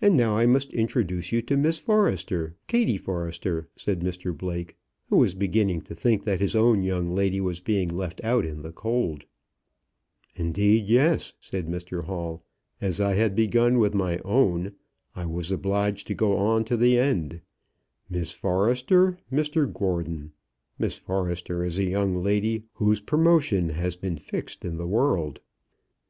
"And now I must introduce you to Miss Forrester, Kattie Forrester," said Mr Blake, who was beginning to think that his own young lady was being left out in the cold. "Yes, indeed," said Mr Hall. "As I had begun with my own, I was obliged to go on to the end. Miss Forrester Mr Gordon. Miss Forrester is a young lady whose promotion has been fixed in the world."